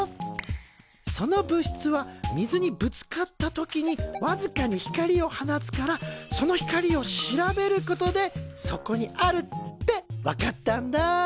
その物質は水にぶつかった時にわずかに光を放つからその光を調べることでそこにあるって分かったんだ。